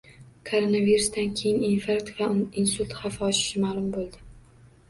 Koronavirusdan keyin infarkt va insult xavfi oshishi ma’lum bo‘ldi